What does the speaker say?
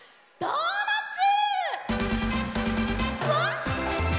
「ドーナッツ！」